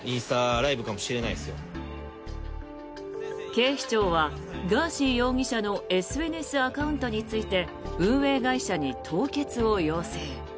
警視庁は、ガーシー容疑者のＳＮＳアカウントについて運営会社に凍結を要請。